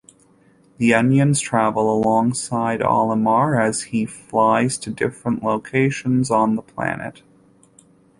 The Onions travel alongside Olimar as he flies to different locations on the planet.